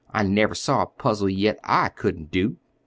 "I never saw a puzzle yet I couldn't do!"